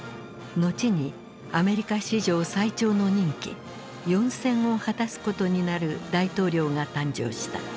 後にアメリカ史上最長の任期４選を果たすことになる大統領が誕生した。